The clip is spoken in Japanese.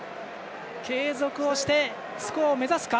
継続をして、スコアを目指すか。